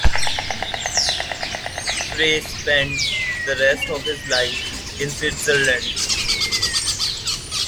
Frey spent the rest of his life in Switzerland.